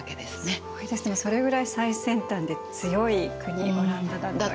すごいですねそれぐらい最先端で強い国オランダだったわけですね。